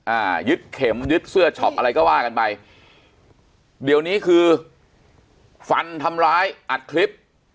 อ่ายึดเข็มยึดเสื้อช็อปอะไรก็ว่ากันไปเดี๋ยวนี้คือฟันทำร้ายอัดคลิป